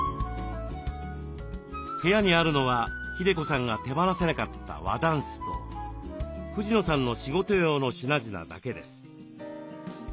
部屋にあるのは日出子さんが手放せなかった和だんすと藤野さんの仕事用の品々だけです。